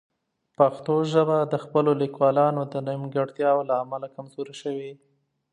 پښتو ژبه د خپلو لیکوالانو د نیمګړتیاوو له امله کمزورې شوې.